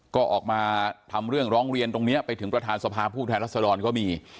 ก็ออกมาทำเรื่องร้องเรียนตรงนี้ไปถึงประธานสภาผู้แทนรัศดรก็มี